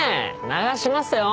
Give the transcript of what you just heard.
流しますよ。